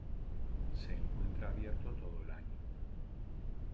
Se encuentra abierto todo el año.